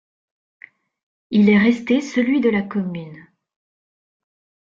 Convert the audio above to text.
Il est resté celui de la commune.